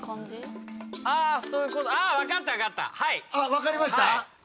わかりました？